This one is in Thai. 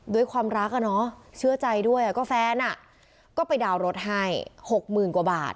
ด้วยความรักเชื่อใจด้วยก็แฟนก็ไปดาวน์รถให้๖๐๐๐กว่าบาท